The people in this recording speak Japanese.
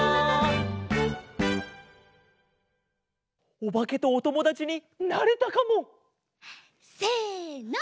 おばけとおともだちになれたかも！せの！